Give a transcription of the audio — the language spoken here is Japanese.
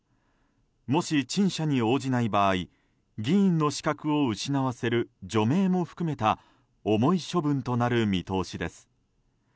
もし、陳謝に応じない場合議員の資格を失わせる除名も含めた重い処分となる見通しです。